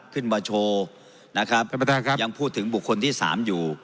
ขึ้นมาโชว์นะครับท่านประธานครับยังพูดถึงบุคคลที่สามอยู่